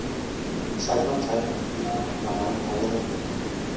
細孥仔係咁啦！慢慢教囉